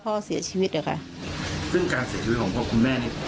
พ่อเสียชีวิตอะค่ะซึ่งการเสียชีวิตของพ่อคุณแม่เนี่ย